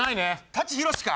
舘ひろしか！